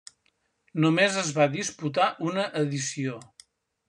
Només es va disputar una edició.